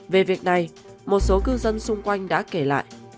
về việc này một số cư dân xung quanh đã kể lại